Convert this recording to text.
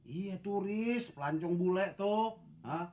iya turis pelancong bule tok